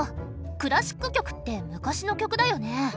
クラシック曲って昔の曲だよね。